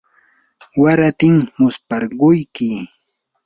waratim musparquyki.